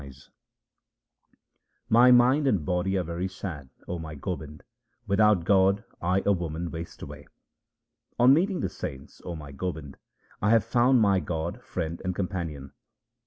HYMNS OF GURU RAM DAS 297 My mind and body are very sad, O my Gobind, without God I a woman waste away. On meeting the saints, O my Gobind, I have found my God, Friend, and Companion.